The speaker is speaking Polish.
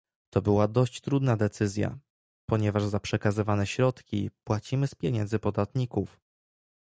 To była dość trudna decyzja, ponieważ za przekazywane środki płacimy z pieniędzy podatników